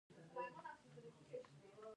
که بست نه وي نو تقرر نه کیږي.